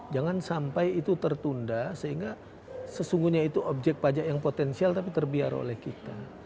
jangan sampai itu tertunda sehingga sesungguhnya itu objek pajak yang potensial tapi terbiar oleh kita